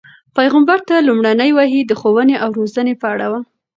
پیغمبر ته لومړنۍ وحی د ښوونې او روزنې په اړه وه.